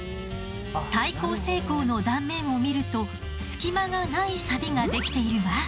耐候性鋼の断面を見ると隙間がないサビができているわ。